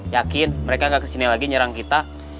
yakin mereka gak kesini lagi nyerang kita